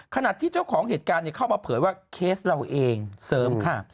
ขณะที่เจ้าของเหตุการณ์เข้ามาเผยว่าเคสเราเองเสริมค่ะ